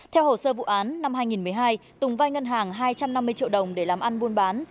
theo hồ sơ vụ án năm hai nghìn một mươi hai tùng vai ngân hàng hai trăm năm mươi triệu đồng để làm ăn buôn bán